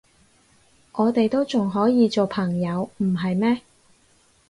我哋都仲可以做朋友，唔係咩？